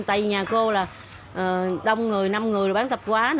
tại vì nhà cô là đông người năm người bán thập quá